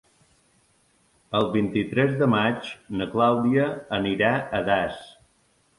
El vint-i-tres de maig na Clàudia anirà a Das.